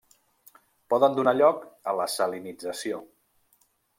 Poden donar lloc a la salinització.